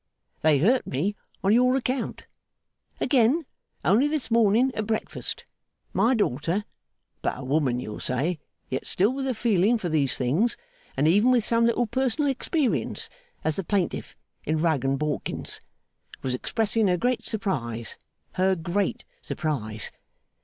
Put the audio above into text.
They hurt me on your account. Again, only this morning at breakfast. My daughter (but a woman, you'll say: yet still with a feeling for these things, and even with some little personal experience, as the plaintiff in Rugg and Bawkins) was expressing her great surprise; her great surprise.